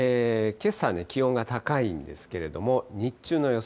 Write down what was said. けさね、気温が高いんですけれども、日中の予想